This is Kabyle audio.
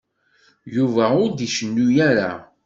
Yuba ur d-icennu ara.